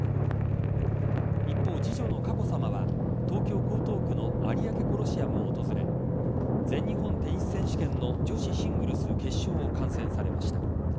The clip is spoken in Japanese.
一方、次女の佳子さまは東京・江東区の有明コロシアムを訪れ全日本テニス選手権の女子シングルス決勝を観戦されました。